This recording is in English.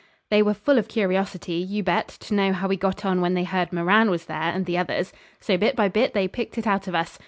They were full of curiosity, you bet, to know how we got on when they heard Moran was there and the others. So bit by bit they picked it out of us.